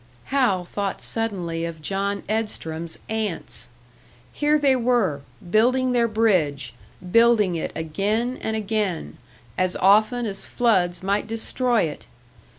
Hal thought suddenly of John Edstrom's ants! Here they were building their bridge, building it again and again, as often as floods might destroy it!